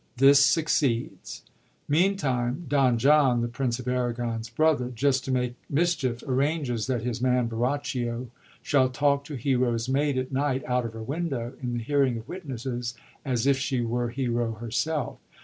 This succeeds. Meantime, Don John, the Prince of Aragon's brother, just to make mischief, arranges that his man Borachio shall talk to Hero's maid at night out of her window in the hearing of witnesses, as if she were Hero herself.